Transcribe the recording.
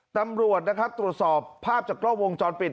ตำรวจนะครับตรวจสอบภาพจากกล้องวงจรปิด